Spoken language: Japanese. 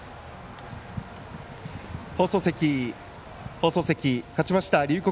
放送席、勝ちました龍谷